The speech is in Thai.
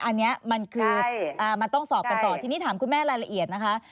อันนี้มันคือมันต้องสอบกันต่อทีนี้ถามคุณแม่รายละเอียดนะคะ